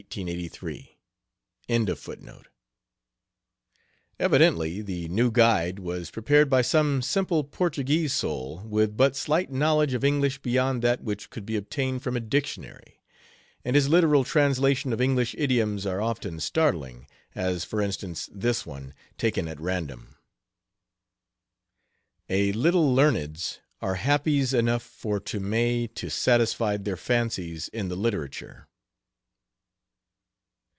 ] Evidently the "New Guide" was prepared by some simple Portuguese soul with but slight knowledge of English beyond that which could be obtained from a dictionary, and his literal translation of English idioms are often startling, as, for instance, this one, taken at random: "A little learneds are happies enough for to may to satisfy their fancies on the literature."